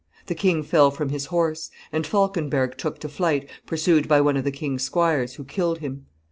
The king fell from his horse; and Falkenberg took to flight, pursued by one of the king's squires, who killed him.